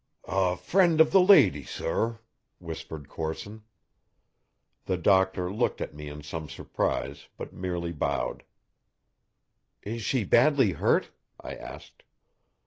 "A friend of the lady, sor," whispered Corson. The doctor looked at me in some surprise, but merely bowed. "Is she badly hurt?" I asked.